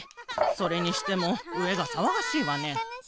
それにしてもうえがさわがしいわね。